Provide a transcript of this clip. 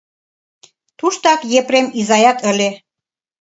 Туштак Епрем изаят ыле.